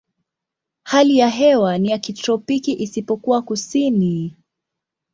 Hali ya hewa ni ya kitropiki isipokuwa kusini.